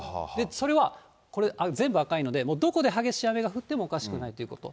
それは、これ、全部赤いので、もうどこで激しい雨が降ってもおかしくないということ。